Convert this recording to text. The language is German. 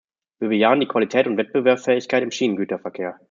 Wir bejahen die Qualität und Wettbewerbsfähigkeit im Schienengüterverkehr.